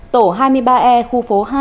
tổ hai mươi ba e khu phố hai